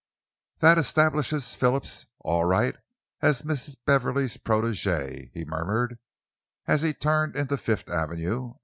"That establishes Phillips all right as Miss Beverley's protégé," he murmured, as he turned into Fifth Avenue.